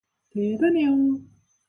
대단해요!